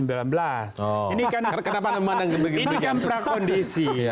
ini kan prakondisi